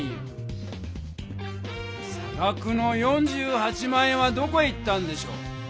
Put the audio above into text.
さがくの４８万円はどこへ行ったんでしょう？